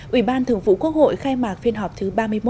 ủy ban thường vụ quốc hội khai mạc phiên họp thứ ba mươi một